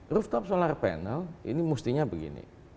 rooftop solar panel ini mestinya begini